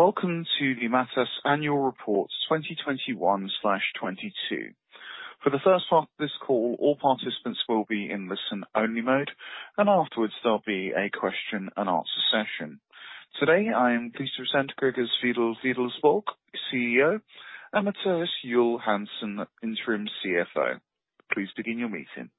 Welcome to the Matas annual report 2021/2022. For the first part of this call, all participants will be in listen-only mode, and afterwards, there'll be a Q&A session. Today, I am pleased to present Gregers Wedell-Wedellsborg, CEO, and Mathias Juhl-Hansen, Interim CFO. Please begin your meeting.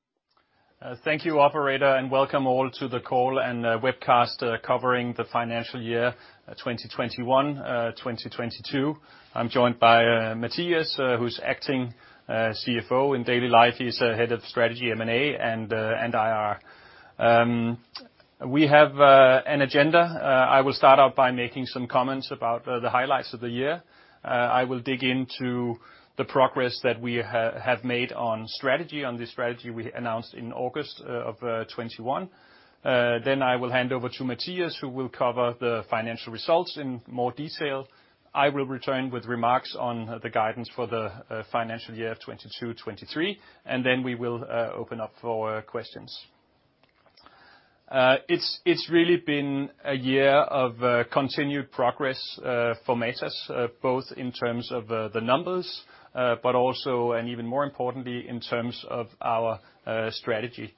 Thank you operator, and welcome all to the call and webcast covering the financial year 2021/2022. I'm joined by Mathias, who's acting CFO. In daily life, he's Head of Strategy, M&A, and IR. We have an agenda. I will start out by making some comments about the highlights of the year. I will dig into the progress that we have made on strategy, on the strategy we announced in August of 2021. Then I will hand over to Mathias, who will cover the financial results in more detail. I will return with remarks on the guidance for the financial year of 2022/2023, and then we will open up for questions. It's really been a year of continued progress for Matas, both in terms of the numbers, but also, and even more importantly, in terms of our strategy.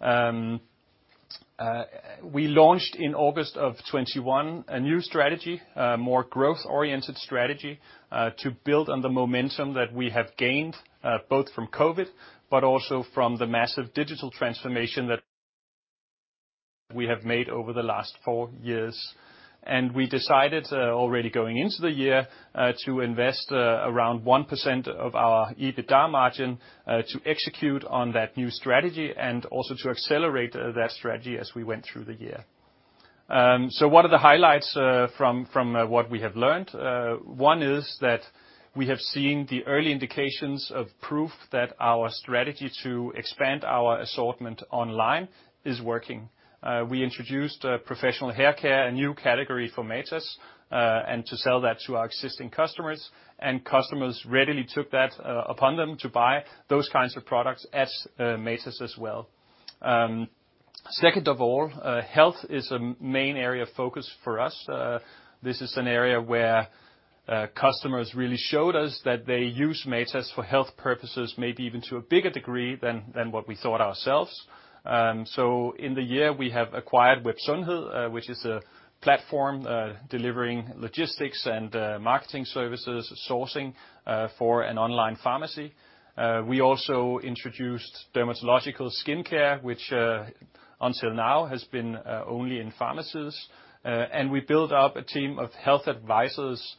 We launched in August of 2021 a new strategy, more growth-oriented strategy, to build on the momentum that we have gained, both from COVID, but also from the massive digital transformation that we have made over the last four years. We decided already going into the year to invest around 1% of our EBITDA margin to execute on that new strategy and also to accelerate that strategy as we went through the year. What are the highlights from what we have learned? One is that we have seen the early indications of proof that our strategy to expand our assortment online is working. We introduced Professional Hair Care, a new category for Matas, and to sell that to our existing customers, and customers readily took that upon them to buy those kinds of products at Matas as well. Second of all, health is a main area of focus for us. This is an area where customers really showed us that they use Matas for health purposes maybe even to a bigger degree than what we thought ourselves. In the year, we have acquired Web Sundhed, which is a platform delivering logistics and marketing services, sourcing, for an online pharmacy. We also introduced dermatological skincare, which until now has been only in pharmacies. We built up a team of health advisors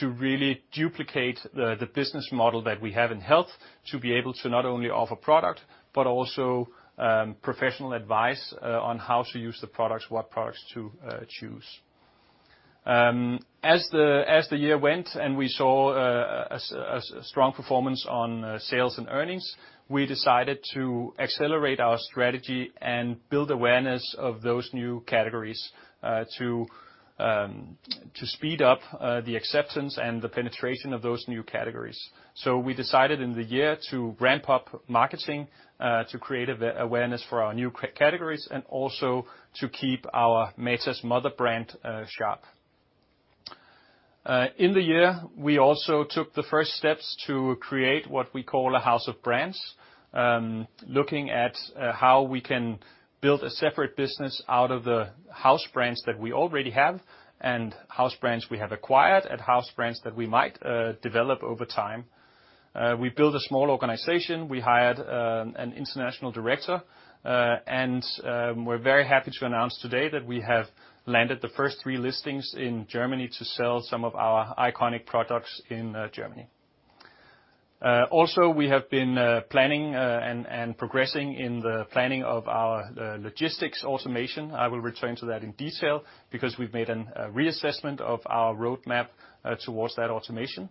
to really duplicate the business model that we have in health to be able to not only offer product but also professional advice on how to use the products, what products to choose. As the year went, and we saw a strong performance on sales and earnings, we decided to accelerate our strategy and build awareness of those new categories to speed up the acceptance and the penetration of those new categories. We decided in the year to ramp up marketing to create awareness for our new categories and also to keep our Matas mother brand sharp. In the year, we also took the first steps to create what we call a house of brands, looking at how we can build a separate business out of the house brands that we already have and house brands we have acquired and house brands that we might develop over time. We built a small organization. We hired an international director, and we're very happy to announce today that we have landed the first three listings in Germany to sell some of our iconic products in Germany. Also, we have been planning and progressing in the planning of our logistics automation. I will return to that in detail because we've made a reassessment of our roadmap towards that automation.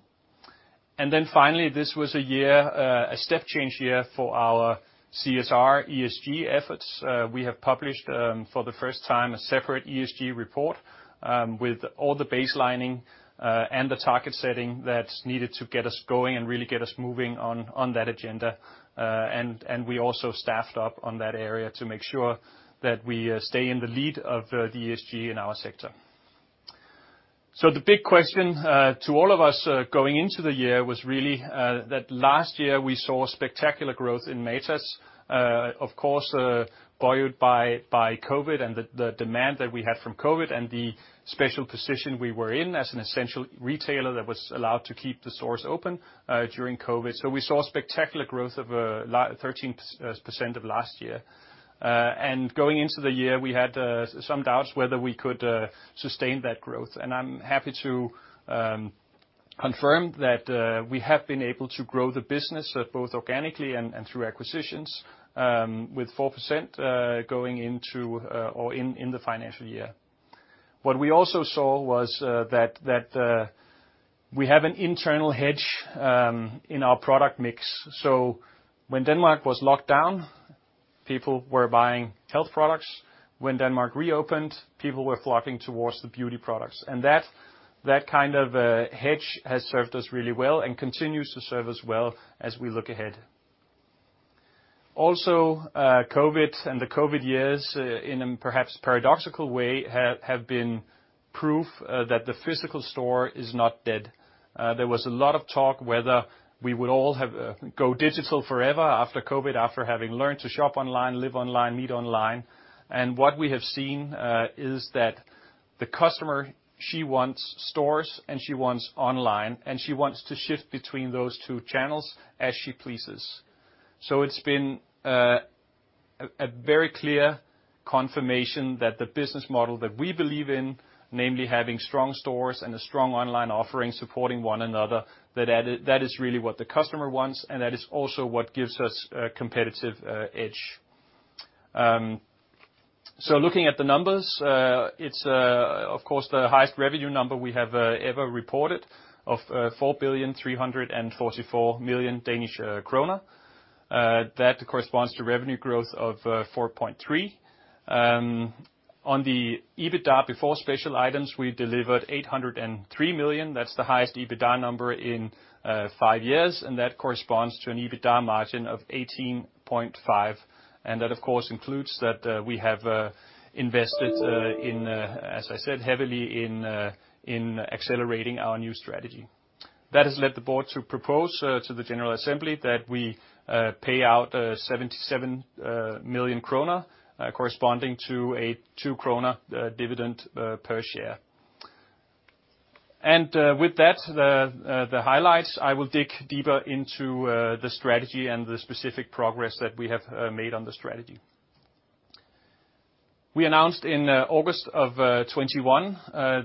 Then finally, this was a year, a step change year for our CSR ESG efforts. We have published, for the first time, a separate ESG report, with all the baselining, and the target setting that's needed to get us going and really get us moving on that agenda. And we also staffed up on that area to make sure that we stay in the lead of the ESG in our sector. The big question to all of us going into the year was really that last year we saw spectacular growth in Matas, of course, buoyed by COVID and the demand that we had from COVID and the special position we were in as an essential retailer that was allowed to keep the stores open during COVID. We saw spectacular growth of 13% last year. Going into the year, we had some doubts whether we could sustain that growth, and I'm happy to confirm that we have been able to grow the business both organically and through acquisitions with 4% in the financial year. What we also saw was that we have an internal hedge in our product mix. When Denmark was locked down, people were buying health products. When Denmark reopened, people were flocking towards the beauty products. That kind of hedge has served us really well and continues to serve us well as we look ahead. Also, COVID and the COVID years, in a perhaps paradoxical way, have been proof that the physical store is not dead. There was a lot of talk whether we would all have to go digital forever after COVID, after having learned to shop online, live online, meet online. What we have seen is that the customer, she wants stores, and she wants online, and she wants to shift between those two channels as she pleases. It's been a very clear confirmation that the business model that we believe in, namely having strong stores and a strong online offering supporting one another, that is really what the customer wants, and that is also what gives us a competitive edge. Looking at the numbers, it's of course the highest revenue number we have ever reported of 4,344 million Danish krone. That corresponds to revenue growth of 4.3%. On the EBITDA before special items, we delivered 803 million. That's the highest EBITDA number in five years, and that corresponds to an EBITDA margin of 18.5%. That, of course, includes that we have invested in, as I said, heavily in accelerating our new strategy. That has led the board to propose to the general assembly that we pay out 77 million kroner, corresponding to a 2 kroner dividend per share. With that, the highlights, I will dig deeper into the strategy and the specific progress that we have made on the strategy. We announced in August of 2021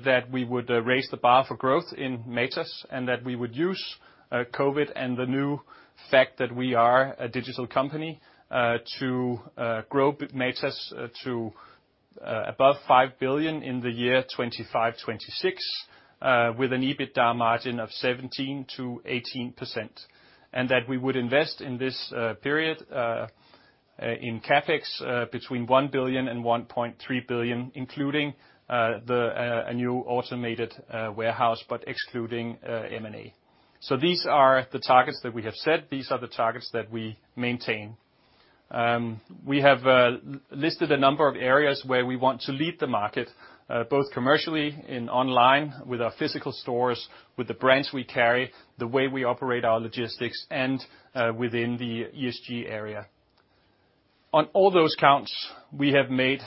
that we would raise the bar for growth in Matas and that we would use COVID and the new fact that we are a digital company to grow Matas to above 5 billion in the year 2025, 2026 with an EBITDA margin of 17%-18%, and that we would invest in this period in CapEx between 1 billion-1.3 billion, including a new automated warehouse, but excluding M&A. These are the targets that we have set. These are the targets that we maintain. We have listed a number of areas where we want to lead the market, both commercially in online with our physical stores, with the brands we carry, the way we operate our logistics, and within the ESG area. On all those counts, we have made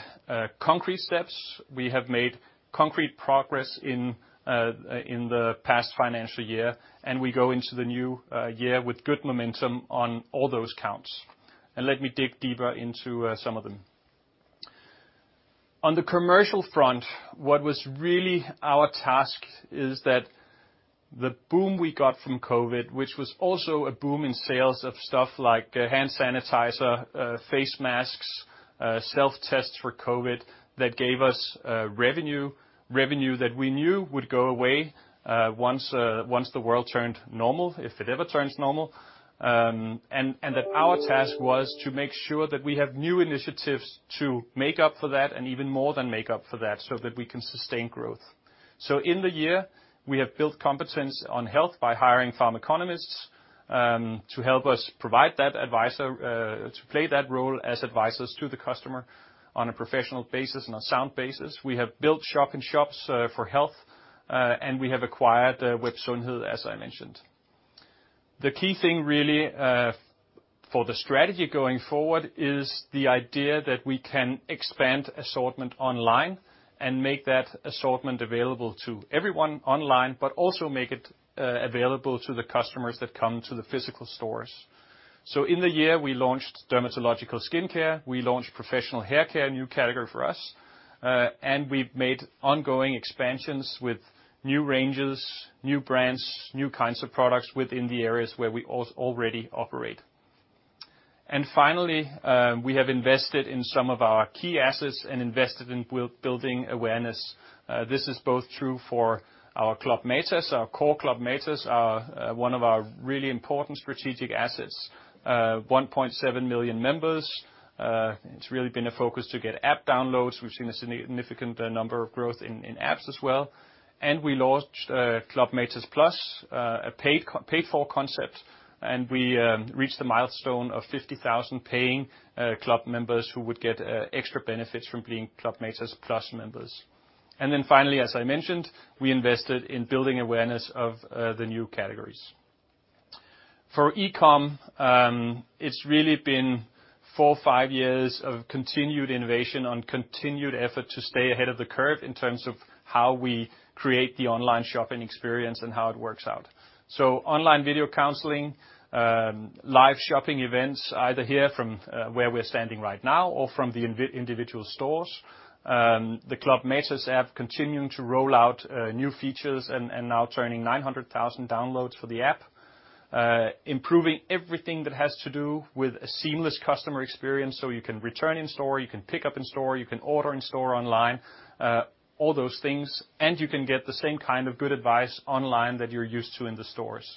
concrete steps. We have made concrete progress in the past financial year, and we go into the new year with good momentum on all those counts. Let me dig deeper into some of them. On the commercial front, what was really our task is that the boom we got from COVID, which was also a boom in sales of stuff like hand sanitizer, face masks, self-tests for COVID that gave us revenue that we knew would go away once the world turned normal, if it ever turns normal, and that our task was to make sure that we have new initiatives to make up for that and even more than make up for that so that we can sustain growth. In the year, we have built competence on health by hiring pharmaconomists to help us provide that advice to play that role as advisors to the customer on a professional basis and a sound basis. We have built shop in shops for health, and we have acquired Web Sundhed, as I mentioned. The key thing really for the strategy going forward is the idea that we can expand assortment online and make that assortment available to everyone online, but also make it available to the customers that come to the physical stores. In the year, we launched dermatological skincare. We launched Professional Hair Care, a new category for us. We've made ongoing expansions with new ranges, new brands, new kinds of products within the areas where we already operate. Finally, we have invested in some of our key assets and invested in building awareness. This is both true for our Club Matas. Our core Club Matas are one of our really important strategic assets, 1.7 million members. It's really been a focus to get app downloads. We've seen a significant number of growth in apps as well. We launched Club Matas Plus, a paid-for concept, and we reached the milestone of 50,000 paying club members who would get extra benefits from being Club Matas Plus members. Then finally, as I mentioned, we invested in building awareness of the new categories. For e-com, it's really been four, five years of continued innovation on continued effort to stay ahead of the curve in terms of how we create the online shopping experience and how it works out. Online video counseling, live shopping events, either here from where we're standing right now or from the individual stores. The Club Matas app continuing to roll out new features and now turning 900,000 downloads for the app. Improving everything that has to do with a seamless customer experience, so you can return in store, you can pick up in store, you can order in store online, all those things. You can get the same kind of good advice online that you're used to in the stores.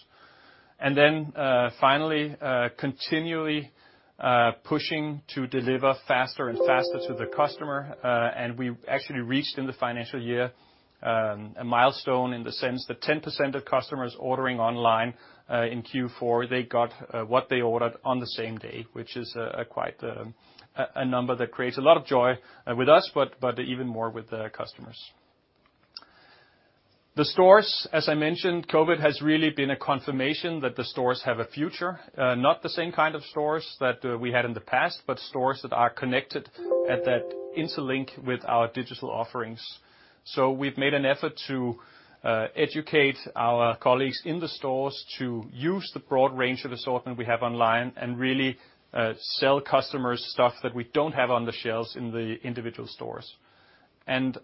Finally, continually pushing to deliver faster and faster to the customer. We actually reached in the financial year a milestone in the sense that 10% of customers ordering online in Q4, they got what they ordered on the same day, which is quite a number that creates a lot of joy with us, but even more with the customers. The stores, as I mentioned, COVID has really been a confirmation that the stores have a future. Not the same kind of stores that we had in the past, but stores that are connected and they interlink with our digital offerings. We've made an effort to educate our colleagues in the stores to use the broad range of assortment we have online and really sell customers stuff that we don't have on the shelves in the individual stores.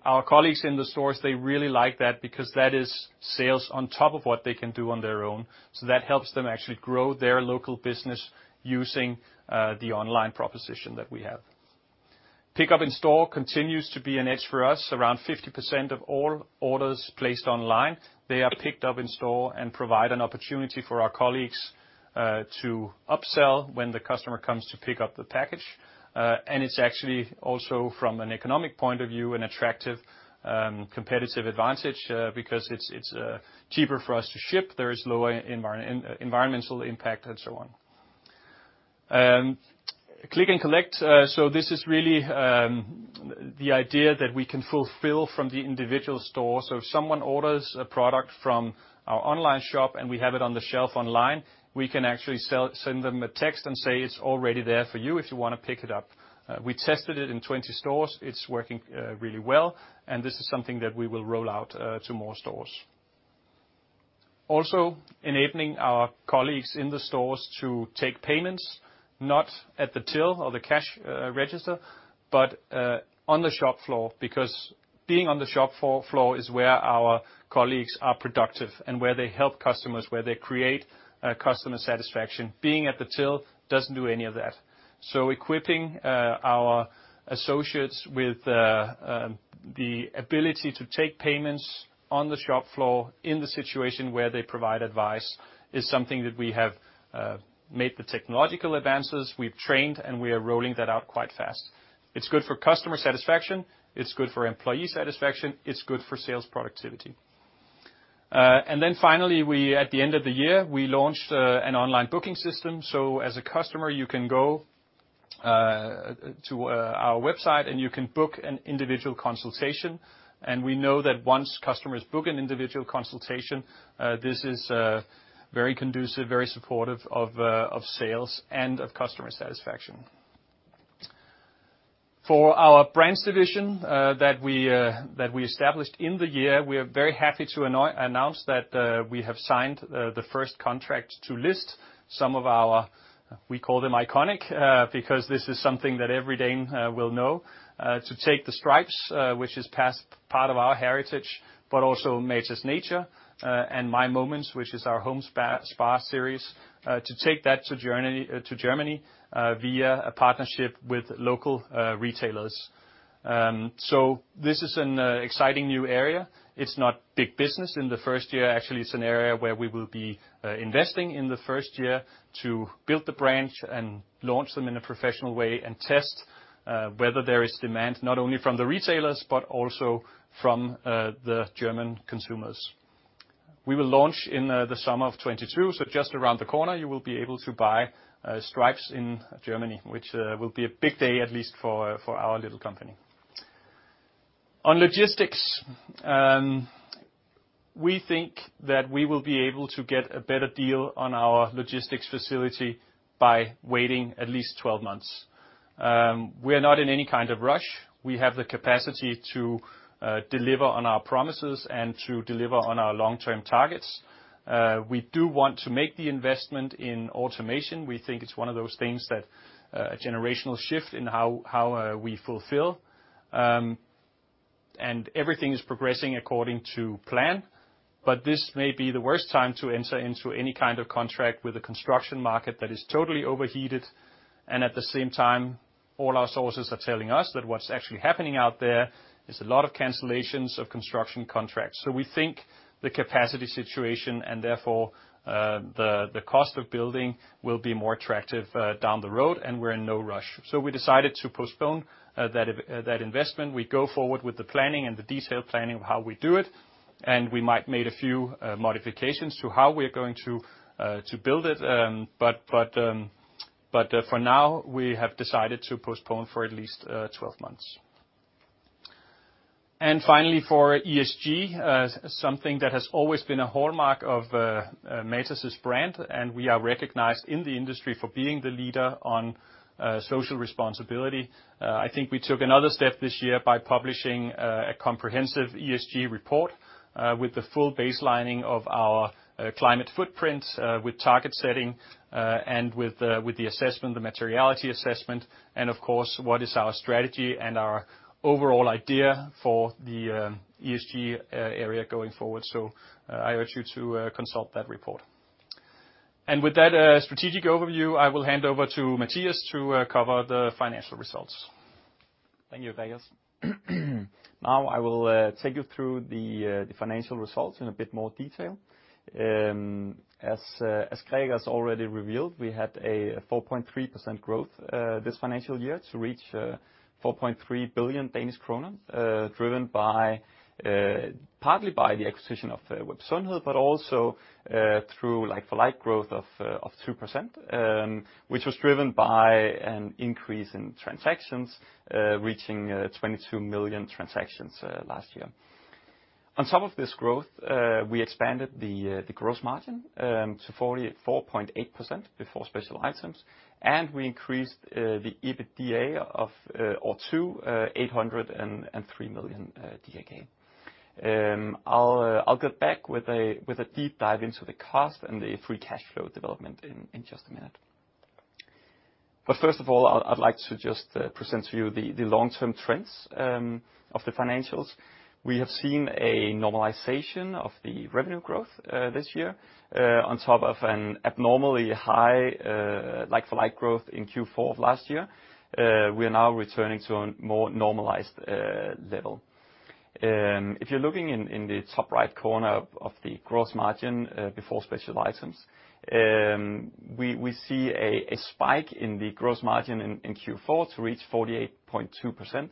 Our colleagues in the stores, they really like that because that is sales on top of what they can do on their own. That helps them actually grow their local business using the online proposition that we have. Pick up in store continues to be an edge for us. Around 50% of all orders placed online, they are picked up in-store and provide an opportunity for our colleagues to upsell when the customer comes to pick up the package. It's actually also from an economic point of view an attractive competitive advantage because it's cheaper for us to ship. There is lower environmental impact and so on. Click and collect. This is really the idea that we can fulfill from the individual store. If someone orders a product from our online shop and we have it on the shelf online, we can actually send them a text and say, "It's already there for you if you wanna pick it up." We tested it in 20 stores. It's working really well, and this is something that we will roll out to more stores. Also enabling our colleagues in the stores to take payments, not at the till or the cash register, but on the shop floor, because being on the shop floor is where our colleagues are productive and where they help customers, where they create customer satisfaction. Being at the till doesn't do any of that. Equipping our associates with the ability to take payments on the shop floor in the situation where they provide advice is something that we have made the technological advances, we've trained, and we are rolling that out quite fast. It's good for customer satisfaction, it's good for employee satisfaction, it's good for sales productivity. Finally, at the end of the year, we launched an online booking system. As a customer, you can go to our website, and you can book an individual consultation. We know that once customers book an individual consultation, this is very conducive, very supportive of sales and of customer satisfaction. For our brand division that we established in the year, we are very happy to announce that we have signed the first contract to list some of our, we call them iconic, because this is something that every Dane will know, Matas Stripes, which is part of our heritage, but also Matas Natur and My Moments, which is our home spa series, to take that to Germany via a partnership with local retailers. This is an exciting new area. It's not big business in the first year. Actually, it's an area where we will be investing in the first year to build the brand and launch them in a professional way and test whether there is demand not only from the retailers, but also from the German consumers. We will launch in the summer of 2022. Just around the corner, you will be able to buy Stripes in Germany, which will be a big day, at least for our little company. On logistics, we think that we will be able to get a better deal on our logistics facility by waiting at least 12 months. We are not in any kind of rush. We have the capacity to deliver on our promises and to deliver on our long-term targets. We do want to make the investment in automation. We think it's one of those things that generational shift in how we fulfill. Everything is progressing according to plan. This may be the worst time to enter into any kind of contract with a construction market that is totally overheated. At the same time, all our sources are telling us that what's actually happening out there is a lot of cancellations of construction contracts. We think the capacity situation, and therefore, the cost of building will be more attractive down the road, and we're in no rush. We decided to postpone that investment. We go forward with the planning and the detailed planning of how we do it, and we might made a few modifications to how we're going to build it. For now, we have decided to postpone for at least 12 months. Finally, for ESG, something that has always been a hallmark of Matas' brand, and we are recognized in the industry for being the leader on social responsibility. I think we took another step this year by publishing a comprehensive ESG report with the full baselining of our climate footprint with target setting and with the assessment, the materiality assessment, and of course, what is our strategy and our overall idea for the ESG area going forward. I urge you to consult that report. With that strategic overview, I will hand over to Mathias to cover the financial results. Thank you, Gregers. Now I will take you through the financial results in a bit more detail. As Gregers already revealed, we had a 4.3% growth this financial year to reach 4.3 billion Danish kroner, driven partly by the acquisition of Web Sundhed, but also through like-for-like growth of 2%, which was driven by an increase in transactions reaching 22 million transactions last year. On top of this growth, we expanded the gross margin to 44.8% before special items, and we increased the EBITDA to 803 million. I'll get back with a deep dive into the cost and the free cash flow development in just a minute. First of all, I'd like to just present to you the long-term trends of the financials. We have seen a normalization of the revenue growth this year on top of an abnormally high like-for-like growth in Q4 of last year. We are now returning to a more normalized level. If you're looking in the top right corner of the gross margin before special items, we see a spike in the gross margin in Q4 to reach 48.2%.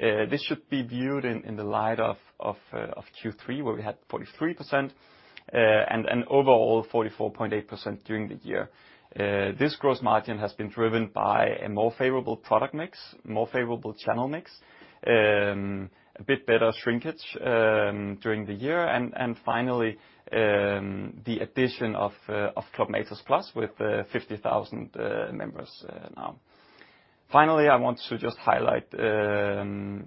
This should be viewed in the light of Q3, where we had 43%, and an overall 44.8% during the year. This gross margin has been driven by a more favorable product mix, more favorable channel mix, a bit better shrinkage during the year, and finally, the addition of Club Matas Plus with 50,000 members now. Finally, I want to just highlight the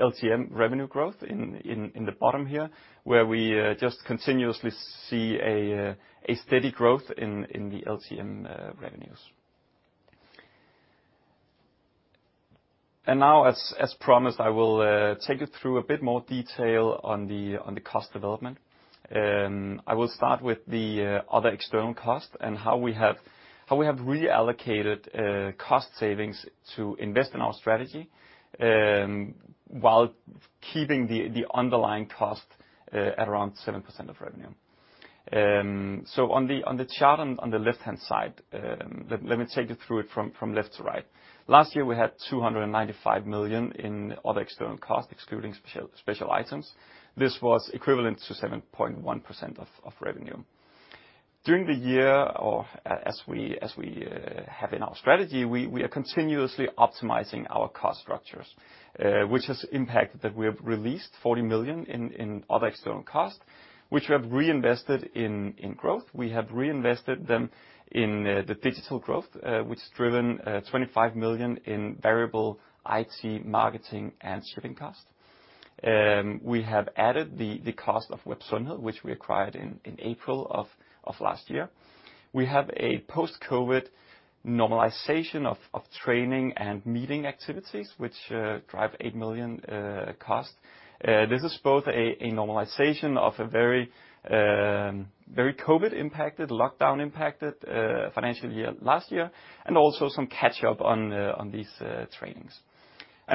LTM revenue growth in the bottom here, where we just continuously see a steady growth in the LTM revenues. Now, as promised, I will take you through a bit more detail on the cost development. I will start with the other external costs and how we have reallocated cost savings to invest in our strategy, while keeping the underlying cost at around 7% of revenue. On the chart on the left-hand side, let me take you through it from left to right. Last year, we had 295 million in other external costs, excluding special items. This was equivalent to 7.1% of revenue. During the year, or as we have in our strategy, we are continuously optimizing our cost structures, which has impacted that we have released 40 million in other external costs, which we have reinvested in growth. We have reinvested them in the digital growth, which has driven 25 million in variable IT, marketing, and shipping costs. We have added the cost of Web Sundhed, which we acquired in April of last year. We have a post-COVID normalization of training and meeting activities, which drive 8 million cost. This is both a normalization of a very COVID-impacted, lockdown-impacted financial year last year, and also some catch-up on these trainings.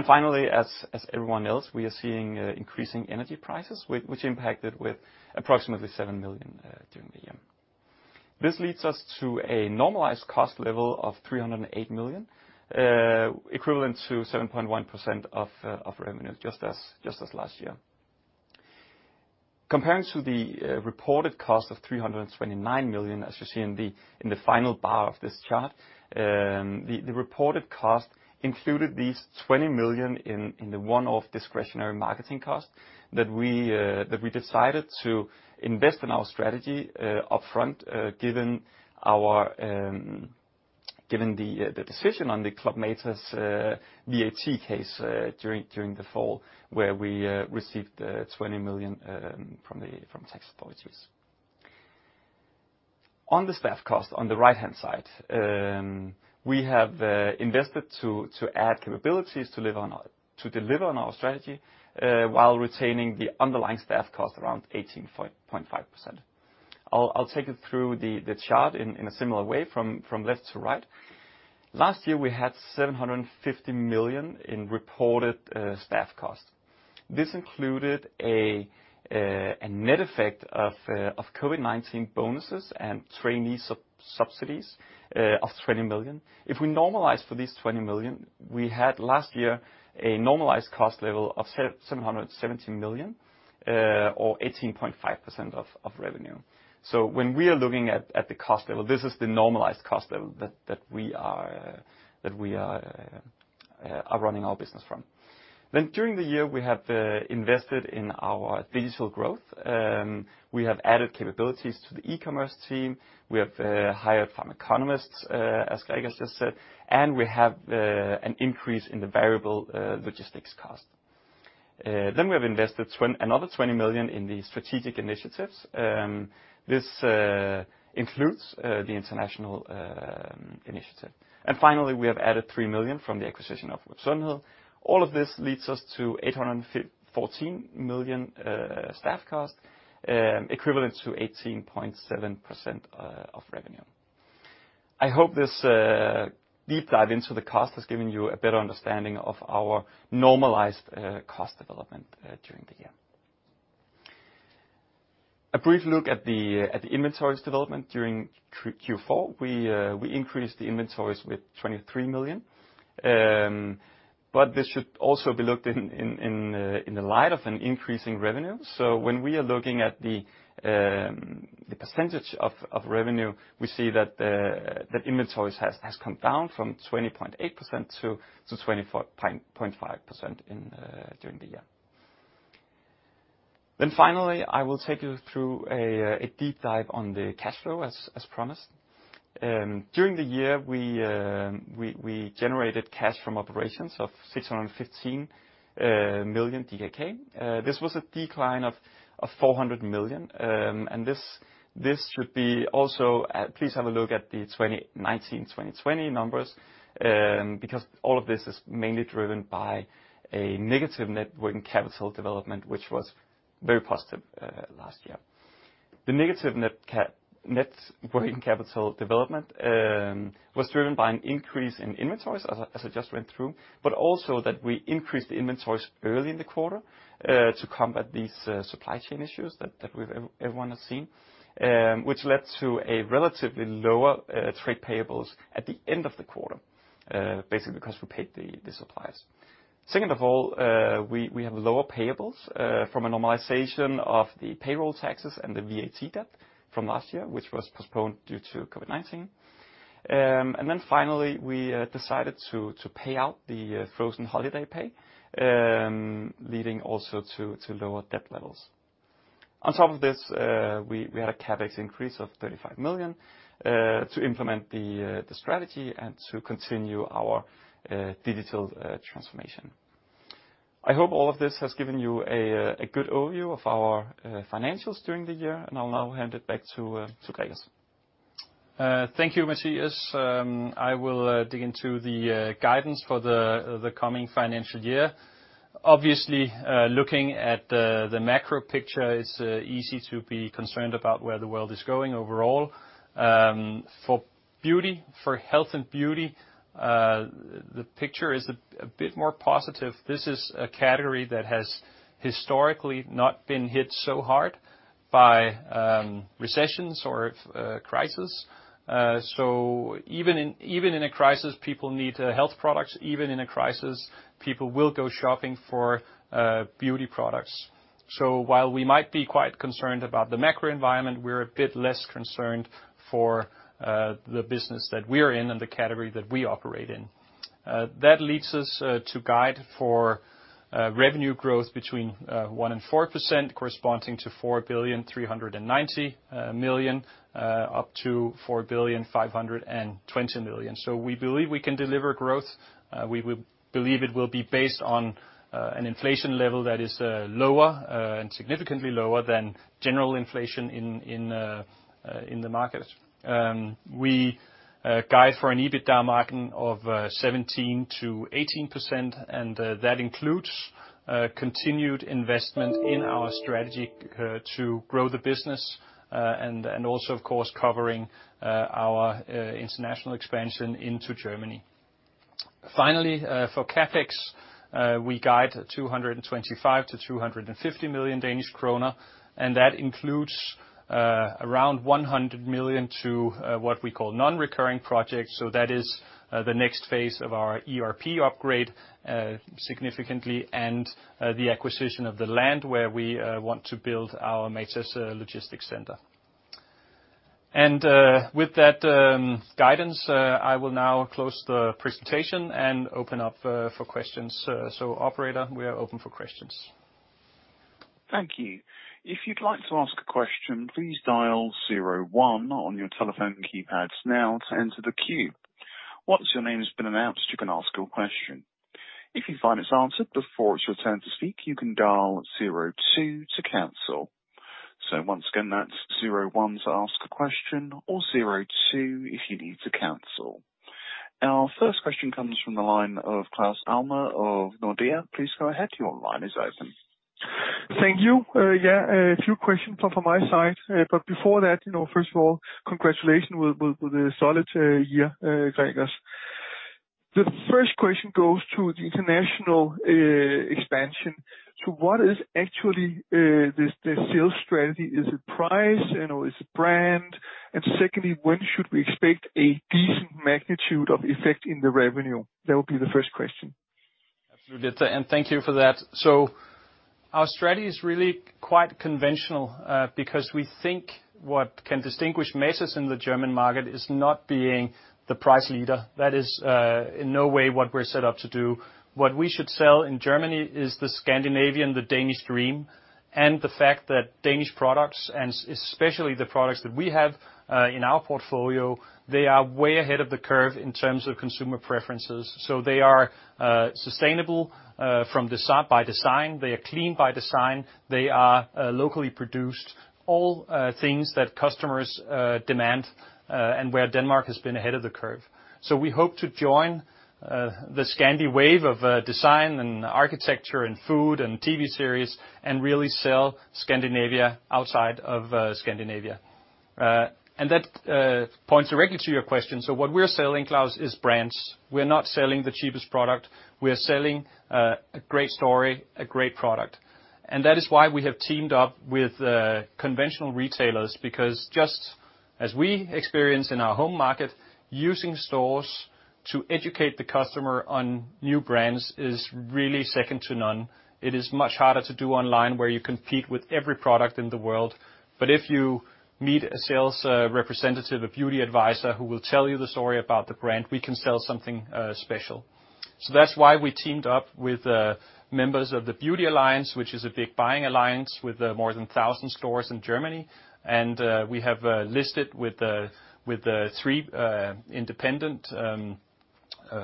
Finally, as everyone else, we are seeing increasing energy prices, which impacted with approximately 7 million during the year. This leads us to a normalized cost level of 308 million, equivalent to 7.1% of revenue, just as last year. Comparing to the reported cost of 329 million, as you see in the final bar of this chart, the reported cost included these 20 million in the one-off discretionary marketing cost that we decided to invest in our strategy up front, given the decision on the Club Matas VAT case during the fall, where we received 20 million from tax authorities. On the staff cost on the right-hand side, we have invested to add capabilities to deliver on our strategy while retaining the underlying staff cost around 18.5%. I'll take you through the chart in a similar way from left to right. Last year, we had 750 million in reported staff costs. This included a net effect of COVID-19 bonuses and trainee subsidies of 20 million. If we normalize for these 20 million, we had last year a normalized cost level of 717 million or 18.5% of revenue. When we are looking at the cost level, this is the normalized cost level that we are running our business from. During the year, we have invested in our digital growth. We have added capabilities to the e-commerce team. We have hired pharmaconomists, as Gregers just said, and we have an increase in the variable logistics cost. We have invested another 20 million in the strategic initiatives. This includes the international initiative. Finally, we have added 3 million from the acquisition of Web Sundhed. All of this leads us to 814 million staff cost, equivalent to 18.7% of revenue. I hope this deep dive into the cost has given you a better understanding of our normalized cost development during the year. A brief look at the inventories development during Q4. We increased the inventories with 23 million. But this should also be looked in the light of an increasing revenue. When we are looking at the percentage of revenue, we see that inventories has come down from 20.8%-24.5% during the year. Finally, I will take you through a deep dive on the cash flow as promised. During the year, we generated cash from operations of 615 million DKK. This was a decline of 400 million. This should be also. Please have a look at the 2019, 2020 numbers, because all of this is mainly driven by a negative net working capital development, which was very positive last year. The negative net working capital development was driven by an increase in inventories, as I just went through, but also that we increased the inventories early in the quarter, to combat these supply chain issues that everyone has seen, which led to a relatively lower trade payables at the end of the quarter, basically because we paid the suppliers. Second of all, we have lower payables from a normalization of the payroll taxes and the VAT debt from last year, which was postponed due to COVID-19. Finally, we decided to pay out the frozen holiday pay, leading also to lower debt levels. On top of this, we had a CapEx increase of 35 million to implement the strategy and to continue our digital transformation. I hope all of this has given you a good overview of our financials during the year, and I'll now hand it back to Gregers. Thank you, Mathias. I will dig into the guidance for the coming financial year. Obviously, looking at the macro picture, it's easy to be concerned about where the world is going overall. For beauty, for health and beauty, the picture is a bit more positive. This is a category that has historically not been hit so hard by recessions or crisis. Even in a crisis, people need health products. Even in a crisis, people will go shopping for beauty products. While we might be quite concerned about the macro environment, we're a bit less concerned for the business that we're in and the category that we operate in. That leads us to guide for revenue growth between 1%-4%, corresponding to 4.39 billion up to 4.52 billion. We believe we can deliver growth. We would believe it will be based on an inflation level that is lower and significantly lower than general inflation in the market. We guide for an EBITDA margin of 17%-18%, and that includes continued investment in our strategy to grow the business and also of course covering our international expansion into Germany. Finally, for CapEx, we guide 225 million-250 million Danish kroner, and that includes around 100 million to what we call non-recurring projects. That is the next phase of our ERP upgrade significantly, and the acquisition of the land where we want to build our Matas Logistics Center. With that guidance, I will now close the presentation and open up for questions. Operator, we are open for questions. Thank you. If you'd like to ask a question, please dial zero one on your telephone keypads now to enter the queue. Once your name has been announced, you can ask your question. If you find it's answered before it's your turn to speak, you can dial zero two to cancel. Once again, that's zero one to ask a question, or zero two if you need to cancel. Our first question comes from the line of Claus Almer of Nordea. Please go ahead, your line is open. Thank you. Yeah, a few questions from my side. But before that, you know, first of all, congratulations with the solid year, Gregers Wedell-Wedellsborg. The first question goes to the international expansion. What is actually the sales strategy? Is it price? You know, is it brand? And secondly, when should we expect a decent magnitude of effect in the revenue? That would be the first question. Absolutely. Thank you for that. Our strategy is really quite conventional, because we think what can distinguish Matas in the German market is not being the price leader. That is, in no way what we're set up to do. What we should sell in Germany is the Scandinavian, the Danish dream, and the fact that Danish products, and especially the products that we have, in our portfolio, they are way ahead of the curve in terms of consumer preferences. They are sustainable, by design. They are clean by design. They are locally produced. All things that customers demand, and where Denmark has been ahead of the curve. We hope to join the Scandi wave of design and architecture and food and TV series, and really sell Scandinavia outside of Scandinavia. That points directly to your question. What we're selling, Claus, is brands. We're not selling the cheapest product. We are selling a great story, a great product. That is why we have teamed up with conventional retailers, because just as we experience in our home market, using stores to educate the customer on new brands is really second to none. It is much harder to do online, where you compete with every product in the world. If you meet a sales representative, a beauty advisor, who will tell you the story about the brand, we can sell something special. That's why we teamed up with members of the Beauty Alliance, which is a big buying alliance with more than 1,000 stores in Germany. We have listed with the three independent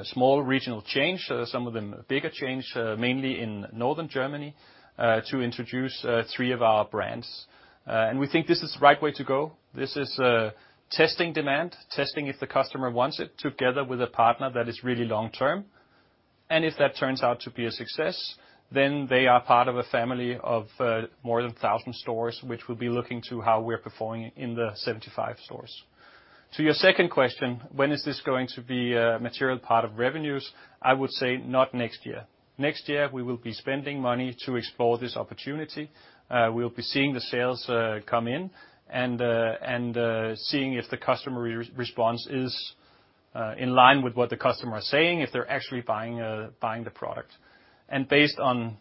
small regional chains, some of them bigger chains, mainly in northern Germany, to introduce three of our brands. We think this is the right way to go. This is testing demand, testing if the customer wants it, together with a partner that is really long term. If that turns out to be a success, then they are part of a family of more than 1,000 stores, which will be looking to how we're performing in the 75 stores. To your second question, when is this going to be a material part of revenues? I would say not next year. Next year, we will be spending money to explore this opportunity. We'll be seeing the sales come in and seeing if the customer response is in line with what the customer is saying, if they're actually buying the product. Based on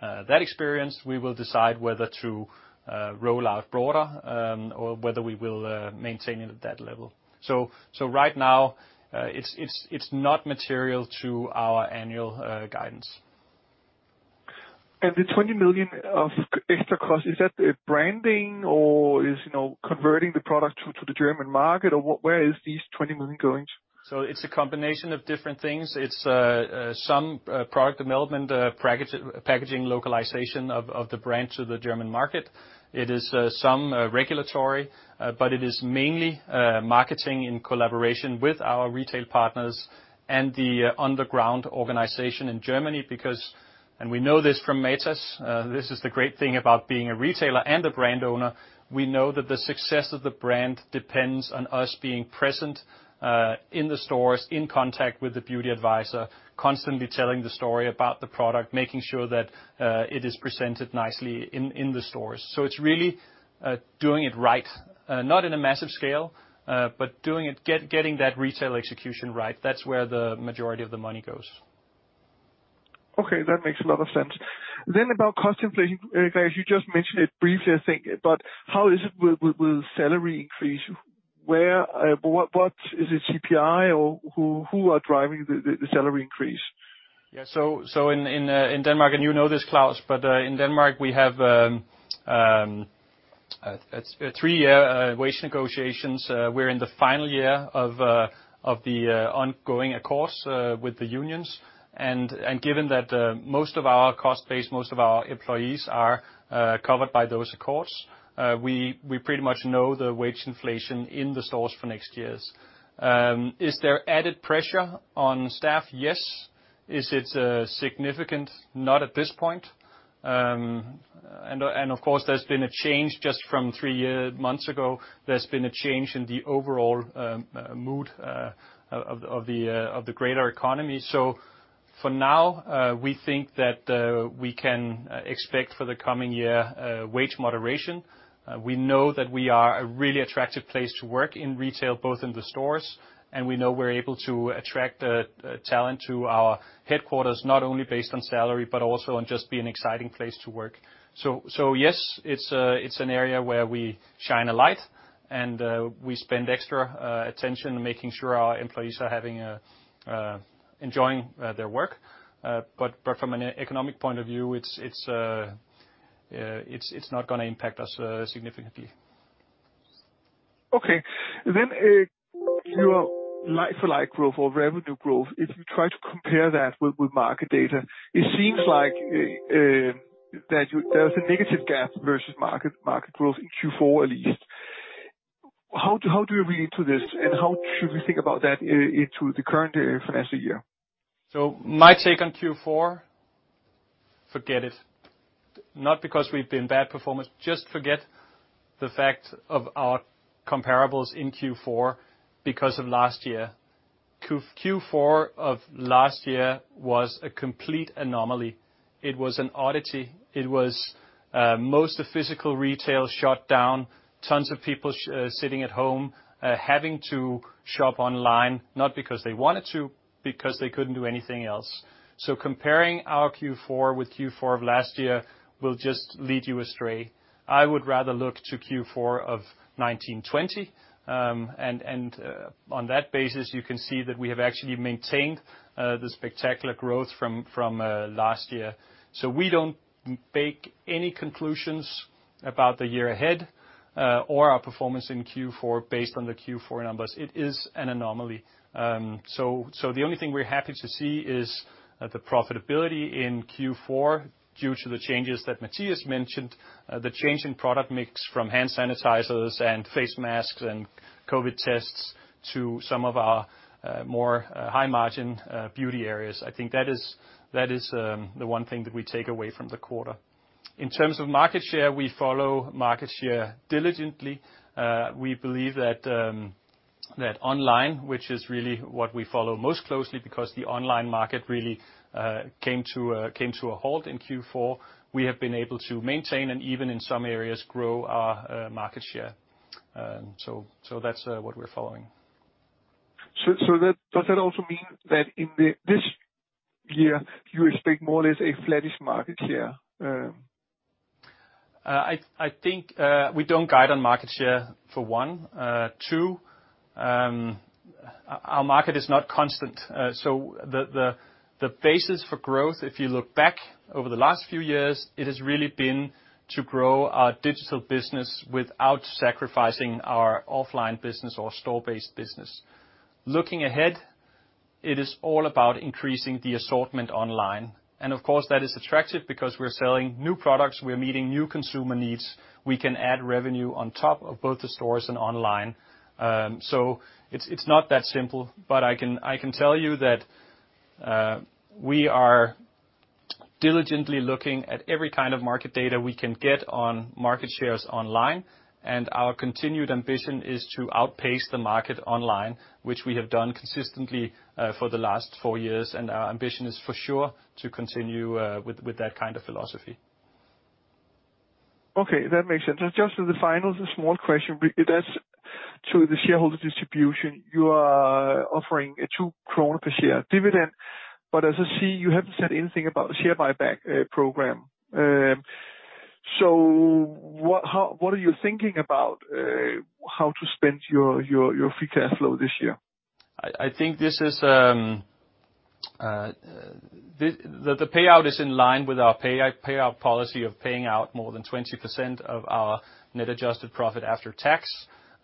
that experience, we will decide whether to roll out broader or whether we will maintain it at that level. Right now, it's not material to our annual guidance. The 20 million of extra cost, is that branding or is, you know, converting the product to the German market? Or where is these 20 million going? It's a combination of different things. It's some product development, packaging localization of the brand to the German market. It is some regulatory, but it is mainly marketing in collaboration with our retail partners and the on-the-ground organization in Germany, because we know this from Matas, this is the great thing about being a retailer and a brand owner, we know that the success of the brand depends on us being present in the stores, in contact with the beauty advisor, constantly telling the story about the product, making sure that it is presented nicely in the stores. It's really doing it right. Not in a massive scale, but doing it, getting that retail execution right. That's where the majority of the money goes. Okay, that makes a lot of sense. About cost inflation, guys, you just mentioned it briefly, I think, but how is it with salary increase? Where, what is it, CPI or who are driving the salary increase? Yeah. In Denmark, and you know this, Claus, but in Denmark, we have a three-year wage negotiations. We're in the final year of the ongoing accords with the unions. Given that most of our cost base, most of our employees are covered by those accords, we pretty much know the wage inflation in the stores for next years. Is there added pressure on staff? Yes. Is it significant? Not at this point. Of course, there's been a change just from three months ago. There's been a change in the overall mood of the greater economy. For now, we think that we can expect for the coming year wage moderation. We know that we are a really attractive place to work in retail, both in the stores, and we know we're able to attract talent to our headquarters, not only based on salary, but also on just being an exciting place to work. Yes, it's an area where we shine a light and we spend extra attention making sure our employees are enjoying their work. From an economic point of view, it's not gonna impact us significantly. Okay. Your like-for-like growth or revenue growth, if you try to compare that with market data, it seems like there's a negative gap versus market growth in Q4 at least. How do you read into this, and how should we think about that into the current financial year? My take on Q4, forget it. Not because we've been bad performers, just forget the fact of our comparables in Q4 because of last year. Q4 of last year was a complete anomaly. It was an oddity. It was most of physical retail shut down, tons of people sitting at home, having to shop online, not because they wanted to, because they couldn't do anything else. Comparing our Q4 with Q4 of last year will just lead you astray. I would rather look to Q4 of 2019--2020, and on that basis, you can see that we have actually maintained the spectacular growth from last year. We don't make any conclusions about the year ahead, or our performance in Q4 based on the Q4 numbers. It is an anomaly. The only thing we're happy to see is the profitability in Q4 due to the changes that Mathias mentioned, the change in product mix from hand sanitizers and face masks and COVID tests to some of our more high margin beauty areas. I think that is the one thing that we take away from the quarter. In terms of market share, we follow market share diligently. We believe that online, which is really what we follow most closely because the online market really came to a halt in Q4, we have been able to maintain and even in some areas grow our market share. That's what we're following. Does that also mean that in this year you expect more or less a flattish market share? I think we don't guide on market share for one. Two, our market is not constant. The basis for growth, if you look back over the last few years, it has really been to grow our digital business without sacrificing our offline business or store-based business. Looking ahead, it is all about increasing the assortment online. Of course that is attractive because we're selling new products, we're meeting new consumer needs, we can add revenue on top of both the stores and online. It's not that simple, but I can tell you that we are diligently looking at every kind of market data we can get on market shares online, and our continued ambition is to outpace the market online, which we have done consistently for the last four years. Our ambition is for sure to continue with that kind of philosophy. Okay, that makes sense. Just as the final small question, that's to the shareholder distribution. You are offering a 2 kroner per share dividend. As I see, you haven't said anything about the share buyback program. What are you thinking about how to spend your free cash flow this year? I think this is in line with our payout policy of paying out more than 20% of our net adjusted profit after tax.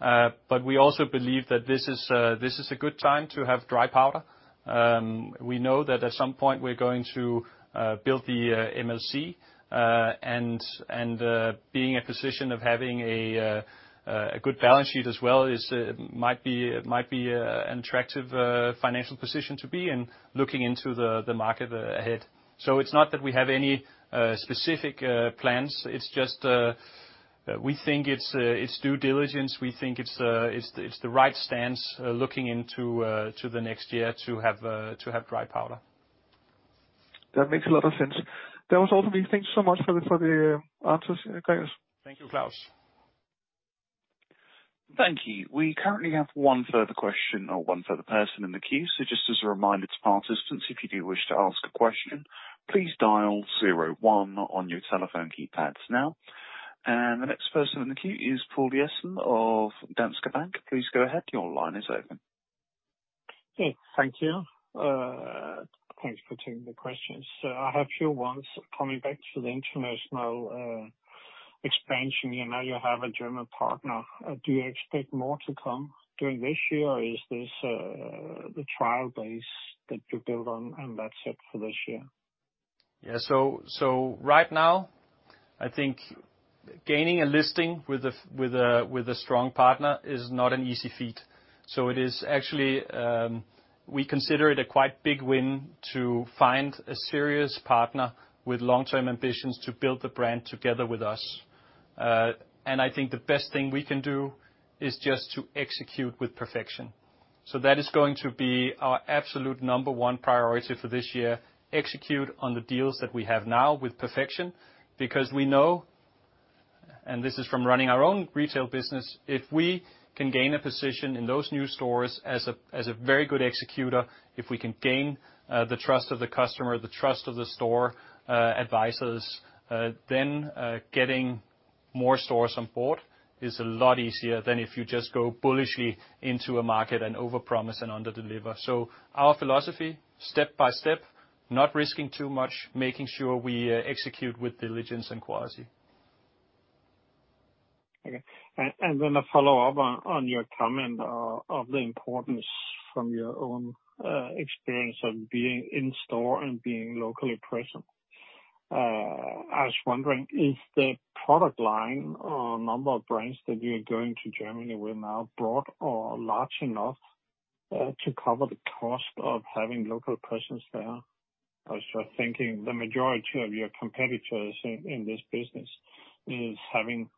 We also believe that this is a good time to have dry powder. We know that at some point we're going to build the MLC. Being in a position of having a good balance sheet as well might be an attractive financial position to be in looking into the market ahead. It's not that we have any specific plans. It's just we think it's due diligence. We think it's the right stance looking into the next year to have dry powder. That makes a lot of sense. That was all for me. Thank you so much for the answers, Gregers. Thank you, Claus. Thank you. We currently have one further question or one further person in the queue. Just as a reminder to participants, if you do wish to ask a question, please dial zero one on your telephone keypads now. The next person in the queue is Poul Jessen of Danske Bank. Please go ahead. Your line is open. Yes, thank you. Thanks for taking the questions. I have a few ones. Coming back to the international expansion, you know, you have a German partner. Do you expect more to come during this year, or is this the trial base that you build on and that's it for this year? Yeah. Right now, I think gaining a listing with a strong partner is not an easy feat. It is actually we consider it a quite big win to find a serious partner with long-term ambitions to build the brand together with us. I think the best thing we can do is just to execute with perfection. That is going to be our absolute number one priority for this year, execute on the deals that we have now with perfection. Because we know, and this is from running our own retail business, if we can gain a position in those new stores as a very good executor, if we can gain the trust of the customer, the trust of the store advisors, then getting more stores on board is a lot easier than if you just go bullishly into a market and overpromise and underdeliver. Our philosophy, step by step, not risking too much, making sure we execute with diligence and quality. A follow-up on your comment of the importance from your own experience of being in store and being locally present. I was wondering, is the product line or number of brands that you're going to Germany with now broad or large enough to cover the cost of having local presence there? I was just thinking the majority of your competitors in this business is having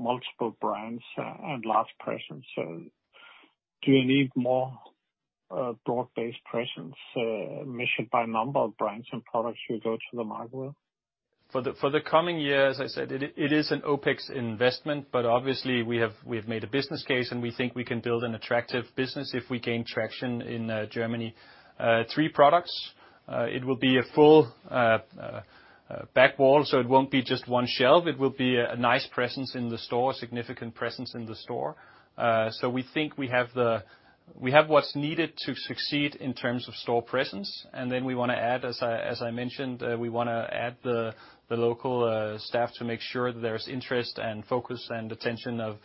multiple brands and large presence. Do you need more broad-based presence measured by number of brands and products you go to the market with? For the coming years, I said it is an OpEx investment, but obviously we have made a business case, and we think we can build an attractive business if we gain traction in Germany. Three products, it will be a full back wall, so it won't be just one shelf, it will be a nice presence in the store, a significant presence in the store. So we think we have what's needed to succeed in terms of store presence, and then we wanna add, as I mentioned, we wanna add the local staff to make sure that there's interest and focus and attention of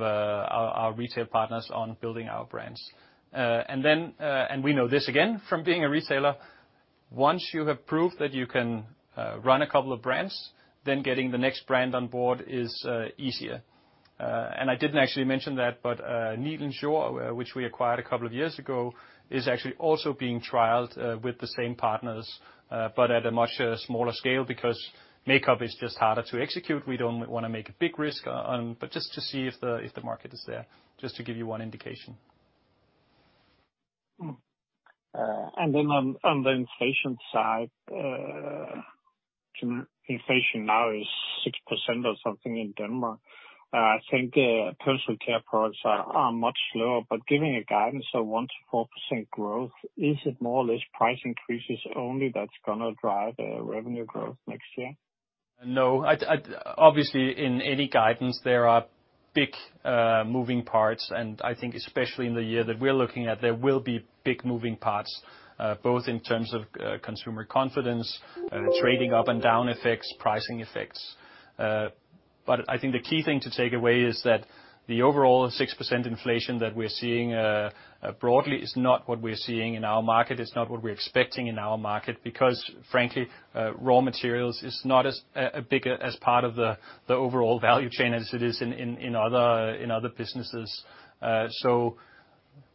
our retail partners on building our brands. We know this again from being a retailer, once you have proved that you can run a couple of brands, then getting the next brand on board is easier. I didn't actually mention that, but Nilens Jord, which we acquired a couple of years ago, is actually also being trialed with the same partners, but at a much smaller scale because makeup is just harder to execute. We don't wanna make a big risk, but just to see if the market is there, just to give you one indication. On the inflation side, inflation now is 6% or something in Denmark. I think personal care products are much lower, but giving a guidance of 1%-4% growth, is it more or less price increases only that's gonna drive the revenue growth next year? No. I obviously, in any guidance, there are big moving parts, and I think especially in the year that we're looking at, there will be big moving parts, both in terms of consumer confidence, trading up and down effects, pricing effects. I think the key thing to take away is that the overall 6% inflation that we're seeing broadly is not what we're seeing in our market. It's not what we're expecting in our market because, frankly, raw materials is not as big a part of the overall value chain as it is in other businesses.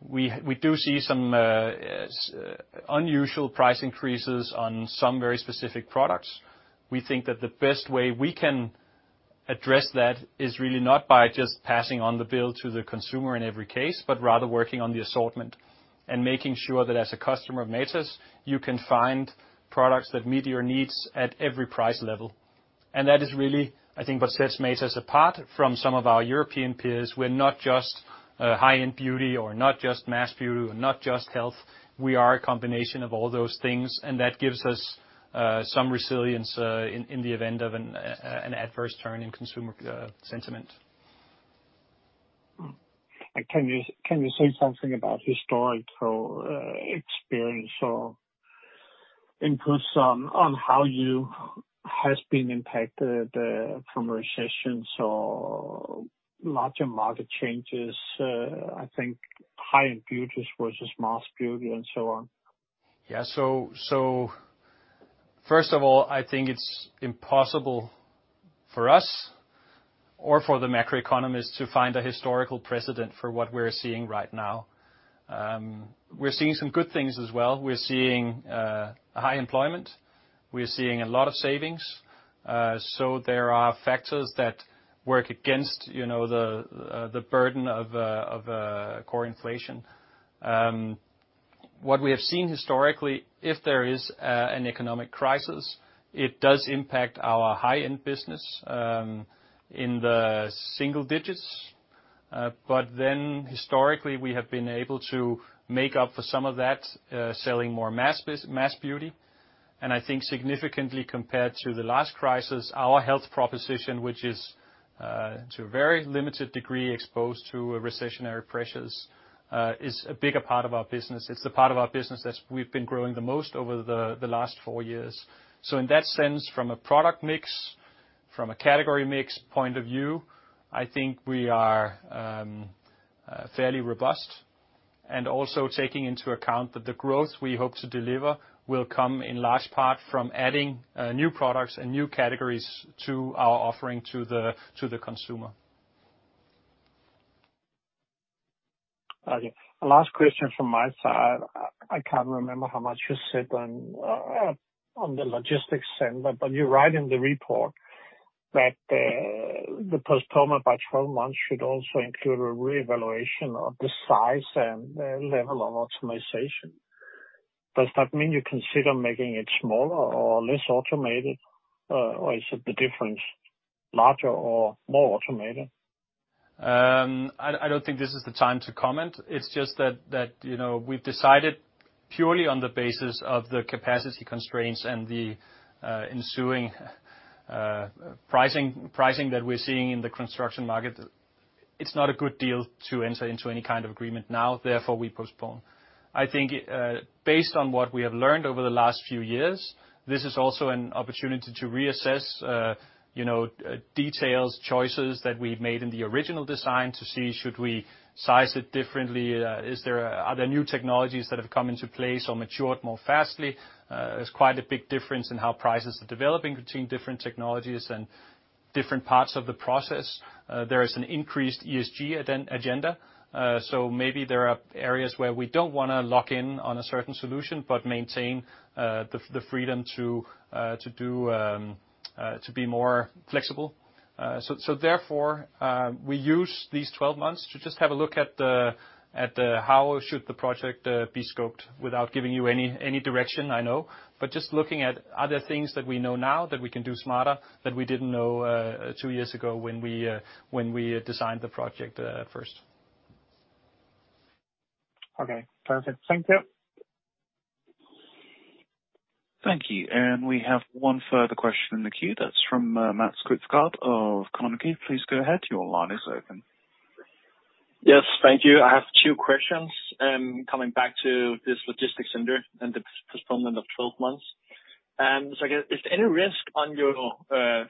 We do see some unusual price increases on some very specific products. We think that the best way we can address that is really not by just passing on the bill to the consumer in every case, but rather working on the assortment and making sure that as a customer of Matas, you can find products that meet your needs at every price level. That is really, I think, what sets Matas apart from some of our European peers. We're not just a high-end beauty or not just mass beauty or not just health. We are a combination of all those things, and that gives us some resilience in the event of an adverse turn in consumer sentiment. Can you say something about historical experience or inputs on how you has been impacted from recessions or larger market changes? I think high-end beauties versus mass beauty and so on. First of all, I think it's impossible for us or for the macroeconomist to find a historical precedent for what we're seeing right now. We're seeing some good things as well. We're seeing high employment. We're seeing a lot of savings. There are factors that work against, you know, the burden of core inflation. What we have seen historically, if there is an economic crisis, it does impact our high-end business in the single digits. Historically, we have been able to make up for some of that, selling more mass beauty. I think significantly compared to the last crisis, our health proposition, which is to a very limited degree exposed to recessionary pressures, is a bigger part of our business. It's the part of our business that we've been growing the most over the last four years. In that sense, from a product mix, from a category mix point of view, I think we are fairly robust, and also taking into account that the growth we hope to deliver will come in large part from adding new products and new categories to our offering to the consumer. Okay. Last question from my side. I can't remember how much you said on the logistics center, but you write in the report that the postponement by 12 months should also include a reevaluation of the size and level of optimization. Does that mean you consider making it smaller or less automated? Or is it the difference larger or more automated? I don't think this is the time to comment. It's just that, you know, we've decided purely on the basis of the capacity constraints and the ensuing pricing that we're seeing in the construction market. It's not a good deal to enter into any kind of agreement now, therefore, we postpone. I think, based on what we have learned over the last few years, this is also an opportunity to reassess, you know, details, choices that we've made in the original design to see, should we size it differently, are there new technologies that have come into place or matured faster. There's quite a big difference in how prices are developing between different technologies and different parts of the process. There is an increased ESG agenda, so maybe there are areas where we don't wanna lock in on a certain solution, but maintain the freedom to be more flexible. Therefore, we use these 12 months to just have a look at how the project should be scoped without giving you any direction, I know. Just looking at other things that we know now that we can do smarter that we didn't know two years ago when we designed the project at first. Okay. Perfect. Thank you. Thank you. We have one further question in the queue. That's from Mads Quistgaard of Carnegie. Please go ahead. Your line is open. Yes. Thank you. I have two questions, coming back to this logistics center and the postponement of 12 months. I guess, is there any risk on your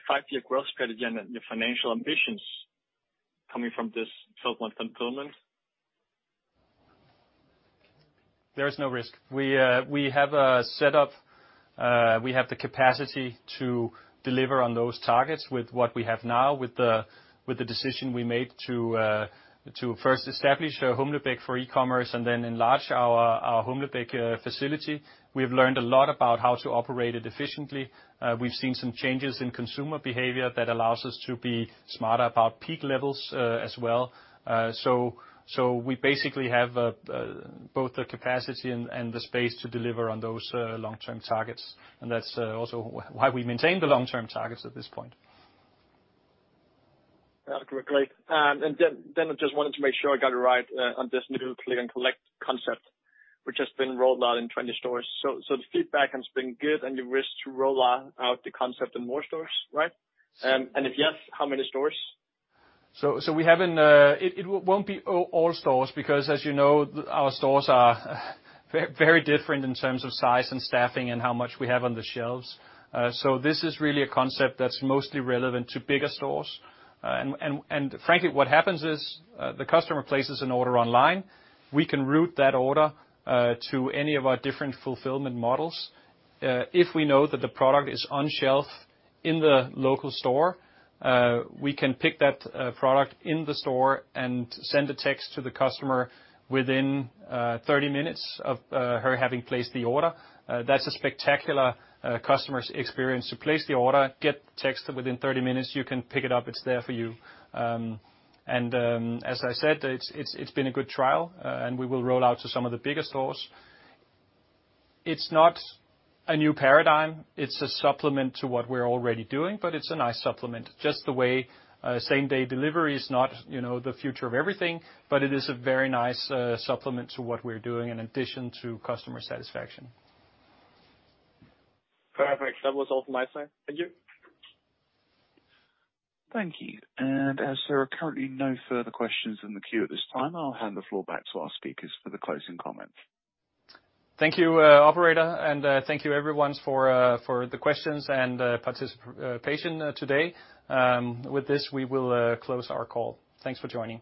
five-year growth strategy and the financial ambitions coming from this 12-month postponement? There is no risk. We have a setup. We have the capacity to deliver on those targets with what we have now, with the decision we made to first establish a hub-to-pick for e-commerce and then enlarge our hub-to-pick facility. We've learned a lot about how to operate it efficiently. We've seen some changes in consumer behavior that allows us to be smarter about peak levels as well. We basically have both the capacity and the space to deliver on those long-term targets. That's also why we maintain the long-term targets at this point. Correct. I just wanted to make sure I got it right on this new click and collect concept, which has been rolled out in 20 stores. The feedback has been good, and you wish to roll out the concept in more stores, right? If yes, how many stores? It won't be all stores because as you know, our stores are very different in terms of size and staffing and how much we have on the shelves. This is really a concept that's mostly relevant to bigger stores. Frankly, what happens is, the customer places an order online, we can route that order to any of our different fulfillment models. If we know that the product is on shelf in the local store, we can pick that product in the store and send a text to the customer within 30 minutes of her having placed the order. That's a spectacular customer's experience to place the order, get texted within 30 minutes, you can pick it up, it's there for you. As I said, it's been a good trial, and we will roll out to some of the bigger stores. It's not a new paradigm, it's a supplement to what we're already doing, but it's a nice supplement. Just the way same-day delivery is not, you know, the future of everything, but it is a very nice supplement to what we're doing in addition to customer satisfaction. Perfect. That was all from my side. Thank you. Thank you. As there are currently no further questions in the queue at this time, I'll hand the floor back to our speakers for the closing comments. Thank you, operator, and thank you everyone for the questions and participation today. With this, we will close our call. Thanks for joining.